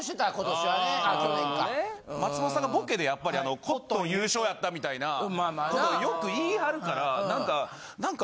松本さんがボケでやっぱり「コットン優勝やった」みたいな事をよく言いはるから何か何か。